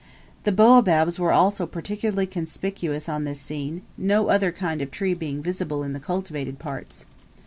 The baobabs were also particularly conspicuous on this scene, no other kind of tree being visible in the cultivated parts.